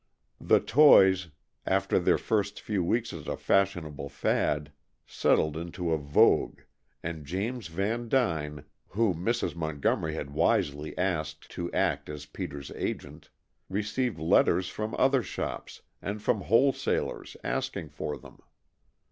The toys, after their first few weeks as a fashionable fad, settled into a vogue and James Vandyne, whom Mrs. Montgomery had wisely asked to act as Peter's agent, received letters from other shops, and from wholesalers, asking for them.